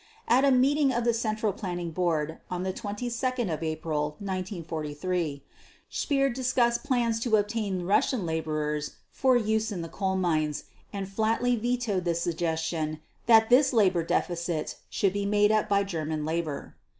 At a meeting of the Central Planning Board on 22 April 1943 Speer discussed plans to obtain Russian laborers for use in the coal mines, and flatly vetoed the suggestion that this labor deficit should be made up by German labor.